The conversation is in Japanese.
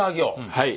はい。